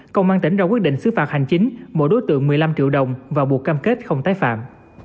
công an tỉnh ra quyết định xứ phạt hành chính mỗi đối tượng một mươi năm triệu đồng và buộc cam kết không tái phạm